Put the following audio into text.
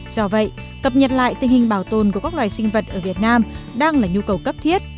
do vậy cập nhật lại tình hình bảo tồn của các loài sinh vật ở việt nam đang là nhu cầu cấp thiết